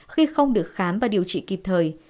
khi không được khám và điều trị kịp thời